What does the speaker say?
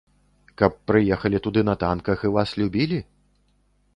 Каб прыехалі туды на танках і вас любілі?